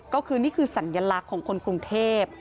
ก็คือนี่คือสัญลักษณ์ของคนกรุงเทพ